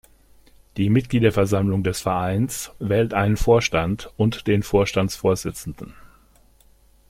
Die Mitgliederversammlung des Vereins wählt einen Vorstand und den Vorstandsvorsitzenden.